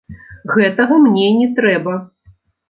Гэтага мне не трэба.